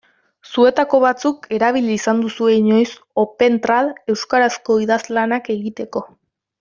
Zuetako batzuk erabili izan duzue inoiz Opentrad euskarazko idazlanak egiteko.